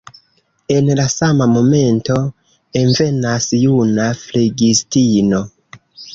En la sama momento envenas juna flegistino.